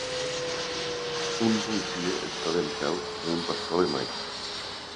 Un policia està dempeus amb un pastor alemany.